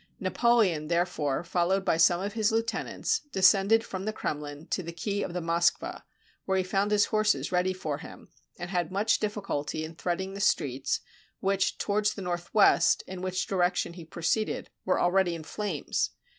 Napoleon, therefore, followed by some of his lieuten ants, descended from the Kremlin to the quay of the Moskva, where he found his horses ready for him, and had much difficulty in threading the streets, which, towards the northwest, in which direction he proceeded, were already in flames.